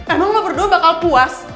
emang gue berdua bakal puas